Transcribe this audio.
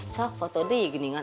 sok foto dia gini kan